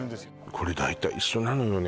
これ大体一緒なのよね